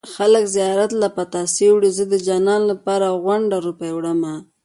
خلک زيارت له پتاسې وړي زه د جانان لپاره غونډه روپۍ وړمه